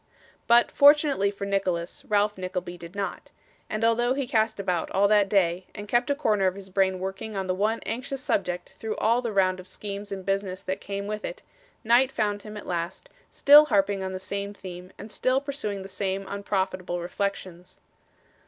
But, fortunately for Nicholas, Ralph Nickleby did not; and although he cast about all that day, and kept a corner of his brain working on the one anxious subject through all the round of schemes and business that came with it, night found him at last, still harping on the same theme, and still pursuing the same unprofitable reflections.